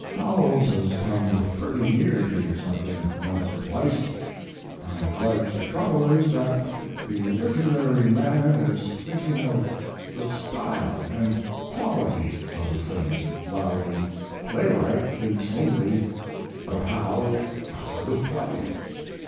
Howells has come pretty near to something once or twice. I judge the trouble is that the literary man is thinking of the style and quality of the thing, while the playwright thinks only of how it will play.